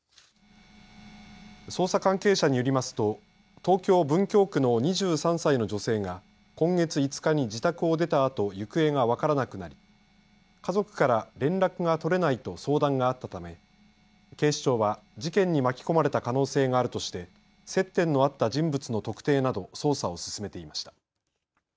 捜査関係者によりますと東京・文京区の２３歳の女性が今月５日に自宅を出たあと行方が分からなくなり家族から連絡が取れないと相談があったため警視庁は事件に巻き込まれた可能性があるとして接点のあった人物の特定など捜査を進めていました。